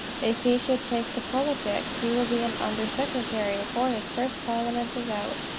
If he should take to politics, he will be an under secretary before his first parliament is out.